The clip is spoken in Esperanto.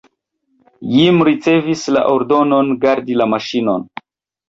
Jim ricevis la ordonon gardi la maŝinon.